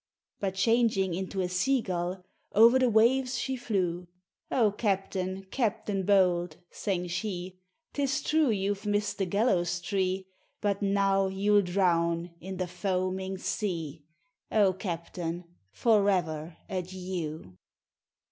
But changing into a sea gull Over the waves she flew. "O capitain, captain bold," sang she, "'Tis true you've missed the gallows tree, But now you'll drown in the foaming sea, O captain, forever adieu!"